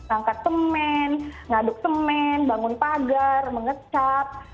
ngangkat semen ngaduk semen bangun pagar mengecap